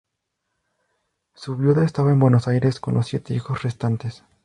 Su viuda estaba en Buenos Aires con los siete hijos restantes.